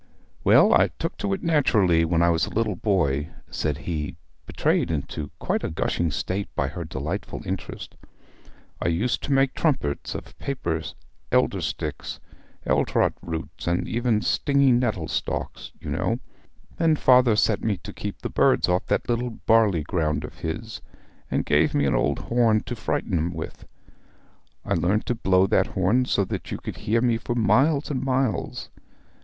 'Well, I took to it naturally when I was a little boy,' said he, betrayed into quite a gushing state by her delightful interest. 'I used to make trumpets of paper, eldersticks, eltrot stems, and even stinging nettle stalks, you know. Then father set me to keep the birds off that little barley ground of his, and gave me an old horn to frighten 'em with. I learnt to blow that horn so that you could hear me for miles and miles.